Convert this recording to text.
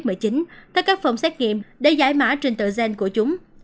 theo các phòng xét nghiệm để giải mã trên tựa gen của chúng